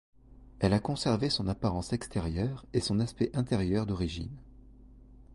Elle a conservé son apparence extérieure et son aspect intérieur d'origine.